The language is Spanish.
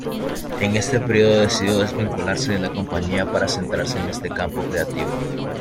En este periodo decidió desvincularse de la compañía para centrarse en este campo creativo.